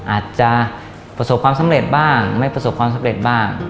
อาจจะประสบความสำเร็จบ้างไม่ประสบความสำเร็จบ้าง